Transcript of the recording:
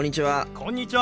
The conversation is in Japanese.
こんにちは。